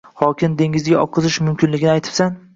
Xokingni dengizga oqizish mumkinligini aytibsan